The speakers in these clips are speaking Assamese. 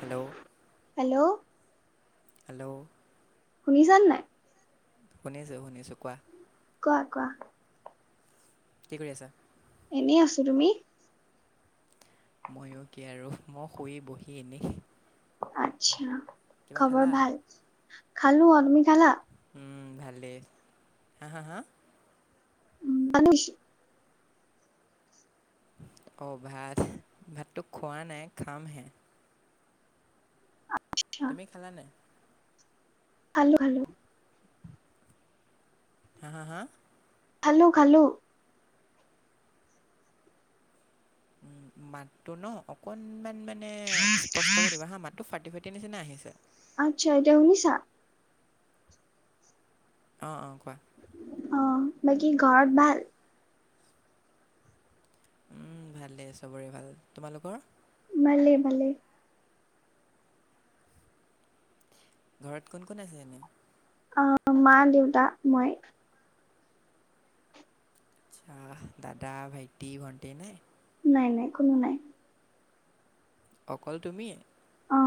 হেল্ল' হেল্ল' হেল্ল' শুনিছান নাই শুনিছোঁ শুনিছোঁ কোৱা। কোৱা কোৱা। কি কৰি আছা? এনেই আছো তুমি ময়ো কি আৰু মই শুই বহি এনেই আত্ছা। কিবা খালা। খালো অ তুমি খালা? ভালে হা - হা- হা মানুষ অ 'ভাত ভাতটো খোৱা নাই খামহে তুমি খালা নে? খালোঁ খালোঁ হা হা হা খালো খালো। উ মাতটো ন অকনমান মানে স্পষ্টক দিবা হা মাতটো ফাটি ফটি। তি নিচিনা আহিছে। আচ্ছা এতিয়া শুনিছা। অ অ কোৱা অ', বাকী ঘৰত ভাল। উম ভালেই চবৰে ভাল, তোমালোকৰ? ভালে ভালে ঘৰত কোন কোন আছে এনে? অ' মা দেউতা মই আচ্ছা দাদা ভাইটি ভণ্টি নাই নাই নাই কোনো নাই অকল তুমি, অ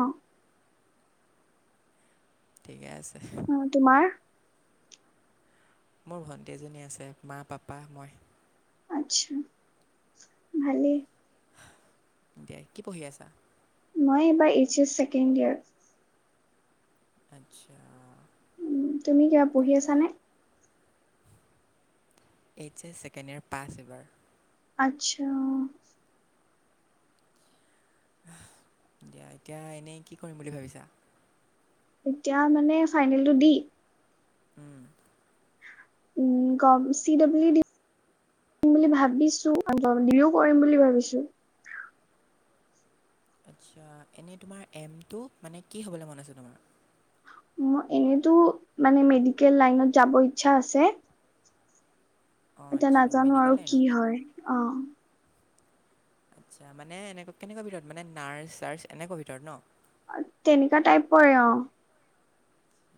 ঠিকে আছে। অ' তোমাৰ মোৰ ভণ্টি এজনী আছে মা, পাপা, মই। আতছা ভালেই। দিয়া কি পঢ়ি আছা? মই এইবাৰ এইচ এছ ছেকেণ্ড ইয়েৰ। আচ্ছা তুমি কিবা পঢ়ি আছ নে এইটছ এ ছেকেণ্ড ইয়োৰ পাছ এইবাৰ। আচ্ছা দিয়া এতিয়া এনেই, কি কৰিম বুলি ভাবিছা? এতিয়া মানে ফাইনেলটো দি, উম উম চি ডব্লউ ডি বুলি ভাবিছোও কৰিম বুলি ভাবিছো আচ্ছা, এনেই তোমাৰ এমটো মানে কি হ'বলৈ মন আছে তোমাৰ? মোৰ এনেতো মানে মেডিকেল লাইনত যাব ইচ্ছা আছে। অঁ এতিয়া আচ্ছা নাজানো মেডিকেল আৰু কি লাইনত হয়, অ। আচ্ছা মানে এনে কেনেকুৱা ভিতৰত মানে নাৰ্চ চাৰ্চ এনেকুৱা ভিতৰত ন। অ', তেনেকুৱা টাইপৰে অ'।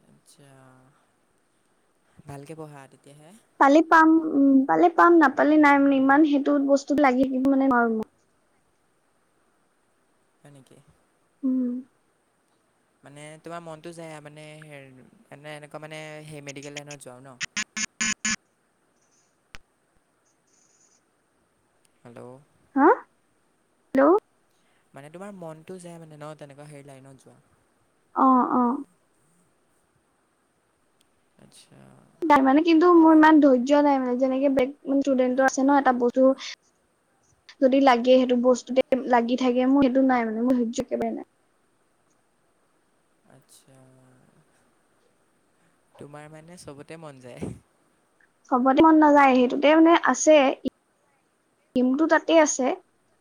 আতছা, ভালকে পঢ়া তেতিয়াহে। পালে পাম, উম, পালে পাম, নাপালে নাই, ইমান সেইটো বস্তু লাগি থাকিব মানে নোৱাৰোঁ মই। হয়, নেকি? উম মানে তোমাৰ মনটো যায় মানে, এনে এনেকুৱা মানে সেই মেডিকেল লাইনত যোৱা ন'? হেল্ল'! হা হেল্ল'। মানে তোমাৰ মনটো যায় মানে ন? তেনেকুৱা হেৰি লাইনত যোৱা। অ, অ আচ্ছা। [inaudible] কিন্তু মোৰ ইমান ধৈৰ্য্য নাই মানে যেনেকে বেগ ষ্টুডেন্টৰ আছে ন'এটা বস্তু যদি লাগে সেইটো বস্তুতে লাগি থাকে মোৰ সেইটো নাই মানে মোৰ সৈহ্য একেবাৰে নাই। আচ্ছা। তোমাৰ মানে চবতে মন যায়। চবতে মন নাযায়, সেইটোতে মানে আছে। ইমটো তাতে আছে।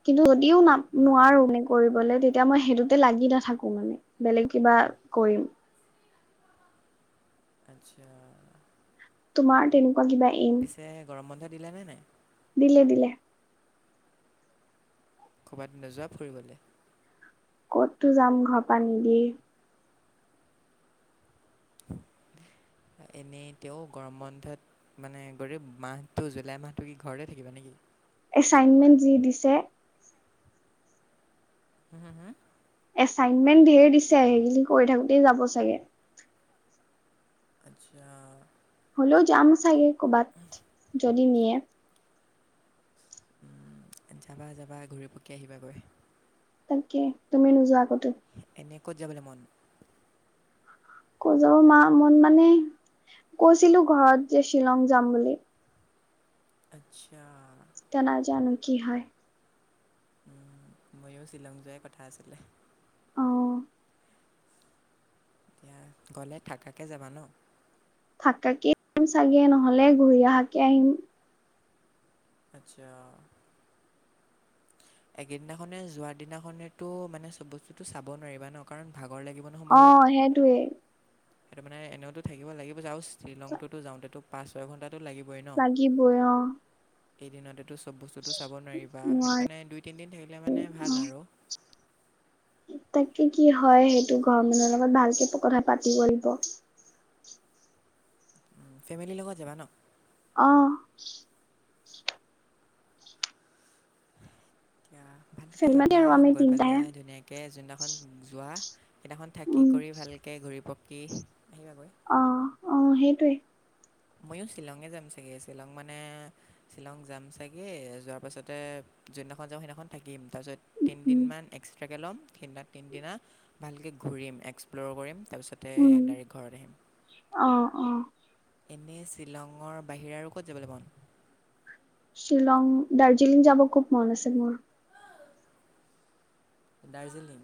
কিন্তু যদিও উম, ন-নোৱাৰো উম, মানে কৰিবলে তেতিয়া মই সেইটোতে লাগি নাথাকোঁ মানে, বেলেগ কিবা কৰিম। আতচ্ছা। তোমাৰ তেন পিছে গৰম বন্ধ দিলে নে নাই? দিল দিলে। কবাত নোযোৱা ফুৰিবলে? ক'ততো যাম, ঘৰপা নিদিয়ে। হয়। এনেই তেও গৰম বন্ধত মানে গটেই মাহটো জুলাই মাহটো কি ঘৰতে থাকিবা নেকি? এছাইনমেণ্ট যি দিছে। হম, হু হুম। এচাইনমেন্ট ধেৰ দিছে, সেইখিনি কৰি থাকোতে যাব চাগে। আচ্ছা। হলেও যাম চাগে ক'বাত, যদি নিয়ে। যাবা যাবা ঘূৰি পকি আহিবাগৈ। তাকে, তুমি নোযোৱা ক এনে ক'ত যাবলৈ মন। কৈ যাব মা মন মানে, কৈছিলো ঘৰত যে শ্বিলং যাম বুলি। আচ্ছা। [unintelligible] নাজানো কি হয়। ময়ো শ্বিলং যোৱাই কথা আছিলে। অ এতিয়া, গ'লে থাকাকে যাবা ন? থাকাকে [unintelligible] চাগে, নহলে ঘূৰি অহাকে আহিম। আচ্ছা। একেইদিনাখনে যোৱা দিনাখনেটো মানে, চব বস্তুটো চাব নোৱাৰিবা ন কাৰণ ভাগৰ লাগিব নহয় বহুত। অ', সেইটোৱেই। সেইটো মানে এনেওটো থাকিব লাগিব যাওঁ শ্বিলংটোতো যাওঁতেটো পাঁচ ছয় ঘন্টা লাগিবই অ'। এদিনতেতো চব বস্তুটো চাব নোৱাৰিবা সেইটো নোৱাৰি কাৰণে দুই তিনিদিন থাকিলে মানে ভাল আৰু। তাকে কি হয় সেইটো ঘৰ মানহৰ লগত ভালকে কথা পাতি লাগিব। উ ফেমিলিৰ লগত যাবা ন? অহ এতিয়া ভালকৈ সিমানেই যাবা, আৰু আমি গৈ তিনটাই পেলাই ধুনীয়াকৈ এ যোনদিনাখন যোৱা- কেইনাখন থাকি উম কৰি ভালকে ঘূৰি পকি আহিবা অ অঁ সেইটোৱে। ময়ো শ্বিলঙে যাম চাগে শ্বিলং মানে শ্বিলং যাম চাগে যোৱাৰ পাছতে যোনদিনাখন যাওঁ সেইদিনাখন থাকিম। তাৰপিছত উম তিনিদিনমান এক্সট্ৰাকৈ ল'ম সেইদিনা তিনিদিনা ভালকৈ ঘূৰিম এক্সপ্ল'ৰ কৰিম তাৰপিছতে উম ডাইৰেক্ট ঘৰত আহিম। অ অ এনে শ্বিলঙৰ বাহিৰা আৰু ক'ত যাবলৈ মন? শ্বিলং দাৰ্জিলিং যাব খুব মন আছে মোৰ দাৰ্জিলিং?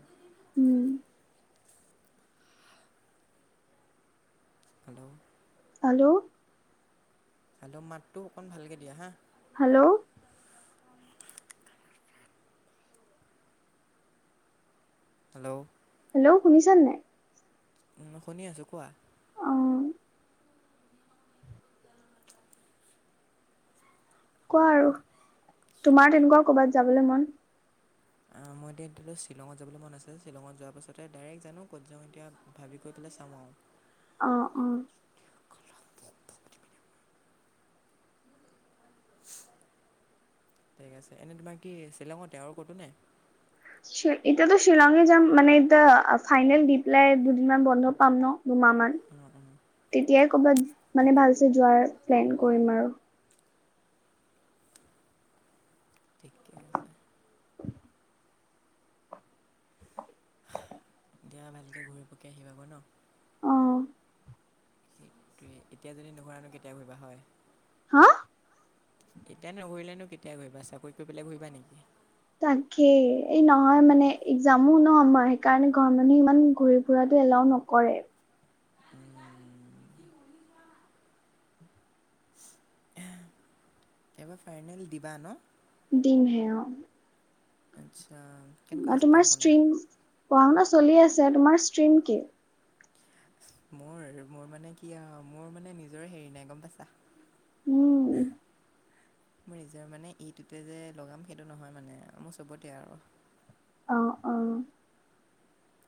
উম হেল্ল' হেল্ল' [unintelligible] মাতটো অকণমান ভালকে দিয়া হা। হেল্ল' হেল্ল' হেল্ল' শুনিছা নাই? উম শুনি আছো কোৱা। অ কোৱা আৰু তোমাৰ তেনেকুৱা কৰ'বাত যাবলৈ মন অ মই এতিয়াতিয় শ্বিলঙত যাবলৈ মন আছে শ্বিলঙত যোৱাৰ পাছতে ডাইৰেক্ট জানো ক'ত যওঁ এতিয়া ভাবি কয় পেলাই [unintelligible] অ অ ঠিক আছে এনেই তোমাৰ কি শ্বিলঙতে আৰু ক'তো নাই? এতিয়াাতো শ্বিলঙে যাম মানে এতিয়া ফাইনেল দি পেলাই দুদিনমান বন্ধ পাম ন দুমাহমান অঁ অঁ তেতিয়াই ক'বাত মানে ভালছে যোৱাৰ প্লেন কৰিম আৰু ঠিকে আছে দিয়া ভালকৈ ঘূৰি পকি আহি পাব ন। অ ত এতিয়া যদি নুঘূৰানো কেতিয়া ঘূৰিবা হয় হা এতিয়া নুঘুৰিলেনো কেতিয়া ঘূৰিবা চাকৰি কৰি পেলাই ঘূৰিবা নেকি? তাকেই এই নহয় মানে একজামো নহয় সেইকাৰণে ঘৰৰ মানুহে ইমান ঘূৰি ফুৰাত এলাও নকৰে এইবাৰ ফাইনেল দিবা ন? দিমহে অ। আচ্ছা কেনেকুৱা আৰু হৈছে তোমাৰ পঢ়া শুনা? ষ্ট্ৰীম পঢ়া শুনা চলি আছে তোমাৰ ষ্ট্ৰীম কি? মোৰ মোৰ মানে কি মোৰ মানে নিজৰ হেৰি নাই গম পাইছা। উম মোৰ নিজৰ মানে ইটোতে যে লগাম সেইটো নহয় মানে, মোৰ চবতে আৰু। অ- অ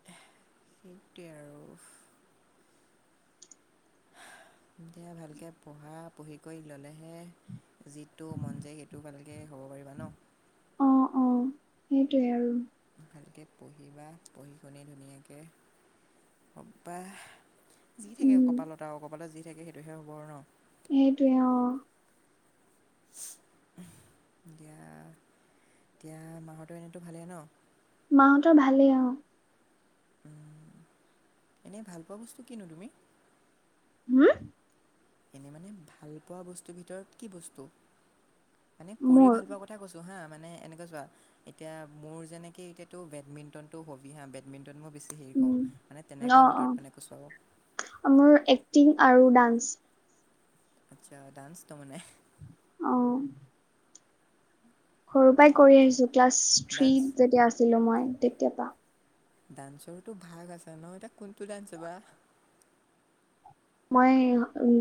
সেইটোৱেই আৰু এতিয়া ভালকে পঢ়া পঢ়ি কৰি ললেহে। যিটো মন যায় সেইটো ভালকৈ হ'ব পাৰিবা ন অ -অ সেইটোৱে আৰু ভালকৈ পঢ়িবা পঢ়ি শুনি ধুনীয়াকৈ হবা যি থাকে উম কপালত আৰু কপালত যি থাক সেইটোহে হব আৰু ন। সেইটোৱে অঁ। দিয়া এতিয়াা মাহতো এনেতো ভালেই ন মাহঁতৰ ভালেই আৰু এনেই ভাল পোৱা বস্তু কিনো তুমি। হম। এনে মানে ভাল পোৱা বস্তুৰ ভিতৰত কি বস্তু মানে কৰি মোৰ ভাল পোৱা কথা কৈছো হা। মানে এনেকুৱা চোৱা এতিয়া মোৰ যেনেকে এতিয়াতো বেডমিণ্টনটো হবি হা বেমিণ্টন ভৰত মই বেছি হেৰি কৰওঁ মানে উম অ তেনেকুৱা ভিতৰত অ মানে কৈছো আৰু বাচ আচ্ছা ডান্সটো মানে। উম। সৰু পৰাই কৰি ঠিকে আহিছো ক্লাছ থ্ৰী ডান্স যেতিয়া আছিলো মই তেতিয়া পা ডান্সৰটো ভাগ আছে ন এতিয়া কোনটো ডান্স বা মই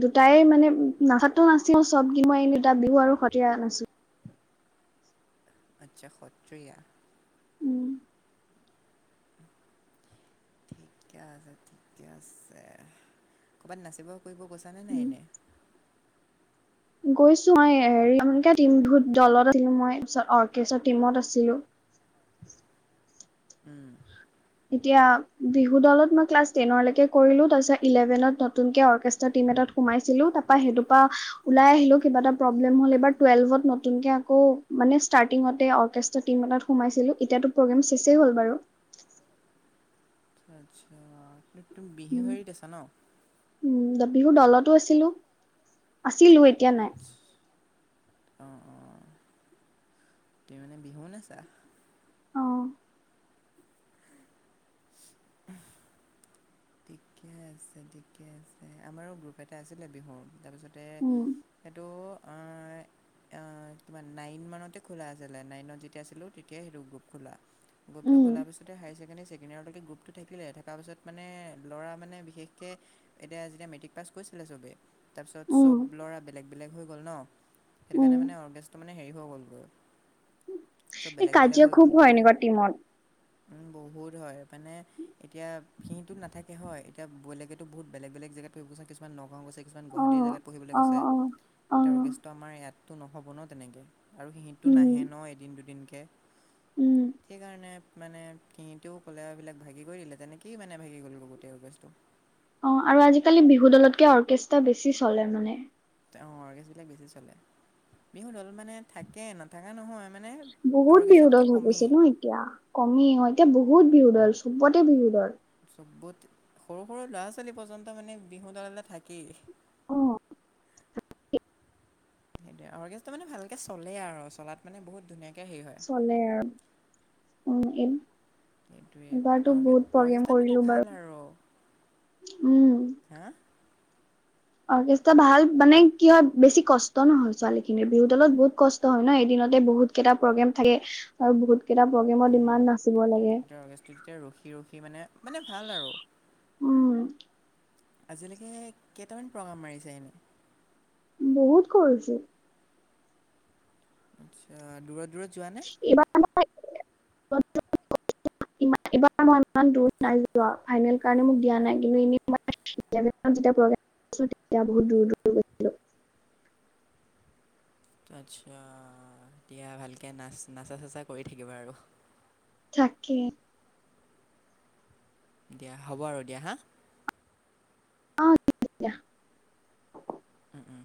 দুটাই মানে নাচাতো নাচো চবক মই দুটা বিহু আৰু সতীয়া নাচো আচ্ছা সত্ৰীয়া। উম, ঠিকে আছে, ঠিকে আছে ক'ৰৰবাত নাচিব কৰিব গৈছ নে নাই উম এনে। গৈছো মই হ টমত দলত আছিলো মই তিছত অৰ্কেষ্টাৰ টিমত আছিলো উম, এতিয়া বিহু দলত মই ক্লাছ টেনলৈকে কৰিলো তাৰপিছত ইলেভেনত নতুনকে অৰ্কেষ্ট্ৰা টিম এটা সোমাইছিলো তাৰ পৰা সেইটোপ পৰা ওলাই আহিলো কিবা এটা প্ৰব্লেম হল এইবাৰ টুৱেলভত নতুনকে আকৌ মানে ষ্টাৰ্টিঙ অৰ্কেষ্টা টম এ সোমাইছিলো এতিয়াো প্ৰগ্ৰেম চেই হ'ল বাৰু। [unintelligible] আচ্ছা তুম বিহু হেৰিত আছা ন'। উ বিহুৰ দলতো আছিলো, আছিলো এতিয়া নাই। অ', অ', ত মানে বিহু নেছা অ, ঠিকে আছে ঠিকে আছে আমাৰো গ্ৰুপ এটা আছিলে বিহু তাৰপিছত তে উম, সেইটো আহ ত নাইন মানতে খোলা আছিলে নাইনত যেতিয়া আছিলো তেতিয়া সেইটো গ্ৰুপ খোলা গ্ৰুপটো উম, খোলাৰ খলাৰ পাছতে হায়ছেকন্দদাৰী ছেকেণ্ডয়াৰৰলৈ গ্ৰুপটো থাকে থকাৰ পাছত মানে ল'ৰা মানে বিশেষকে এতিয়া যেতিয়া মেট্ৰিক পাছ কৰিছিলে চবে তাৰপিছত উম, চব ল'ৰাে বেলেগ বেলেগ হৈ গ'ল ন' সেইটো উম, কাৰণে মানে অৰ্গেজটো মানে হেৰি হৈ গ'ল গৈ। এই কাজিয়া খুব হয় নেকিা টিমত উম, বহুত হয় মানে এতিয়া সিটো ন থাকে হয় এতিয়া বেলেগতো বহুত বলেগ [unintelligible] কিছুমান অ, গুৱাহাটী জিলাত পঢ়িবলৈ অ, কৈছে অ, অ, এতিয়া অৰ্গেষ্ট আমাৰ ইয়াততো নহ'ব ন তেনেকৈ আৰু সিহঁটো উম, নাহে ন এদিন দুদিনকে উম, সেইকাৰণে মানে খিহিতেও ক'লে এইবিলাক ভাগি কৰি দিলে তেনে কি মানে ভাগি গ'লো গোটেই গেছটো অ', আৰু আজিকালি বিহু দলতকে অৰ্কেষ্ট্ৰা বেছি চলে মানে। অ', অৰ্গেছবিলাক বেছি চলে বিহু দল মানে থাকে নথকা নহয় মানে বহুত অৰ্গেষ্টতকৈ বিহুদল হৈ কমেই গৈছে ন এতিয়া কমি আহ এতিয়া বহুত বহুত বিহু দল চবতে বিহু দল ব সৰু সৰু ল'ৰা ছোৱালী পৰ্যন্ত মানে বিহুতলিতে থাকেই। অ'। সেইটোয়ে অৰ্গেজটো মানে ভালকে চলে আৰু চলাত মানে বহুত ধুনীয়াক চলে আৰু, উম, এই এইবাৰতো সেইটোৱে বহুত প্ৰগ্ৰেম অৰ্গেষ্টাত মানে কৰিলো বাৰু ভাল আৰু উম, হে। অৰ্কেষ্ট্ৰা ভাল মানে, কি হয় বেছি কষ্ট নহয় ছোৱালী খিনিৰ বিহুতালত বহুত কষ্ট হয় ন এদিন বহুত কেইটা প্ৰগ্ৰেম থাকে আৰু বহুত কেইটা প্ৰগ্ৰেমত উম ইমান নাচিব লাগে সোতৰ আগষ্টত যেতিয়া ৰখি ৰখি মানে মানে ভাল আৰু। উম আজিলৈকে কেইটামান প্ৰগ্ৰাম মাৰিছে এনে বহুত কৰিছো। আচ্ছা দূৰাত দূৰাত এইবাৰ [unintelligible] [inaudible] ইমান এইবাৰ মই ইমান দূৰ নাই যোৱা ফাইনেল কাৰণে মোক দিয়া নাই কিন্তু এনে মই [unintelligible] [unintelligible] তেতিয়া বহুত দূৰ দূৰ গৈছিলোঁ। [inaudible] আচ্ছা এতিয়া ভালকে নাচ নাচা চাচা কৰি থাকিবা আৰু। থাকে দিয়া হ'ব আৰু দিয়া হা। অ' ঠিক আছে দিয়া। উম- উম